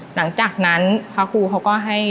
หลังจากนั้นพระครูเขาก็ให้